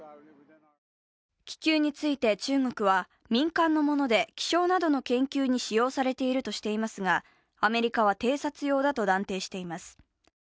気球について中国は、民間のもので気象などの研究に使用されているとしていますが、アメリカは偵察用だと断定しています。